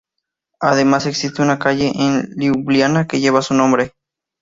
Además, existe una calle en Liubliana que lleva su nombre.